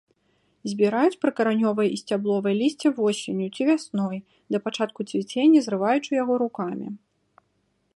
Збіраюць прыкаранёвае і сцябловае лісце восенню ці вясной, да пачатку цвіцення, зрываючы яго рукамі.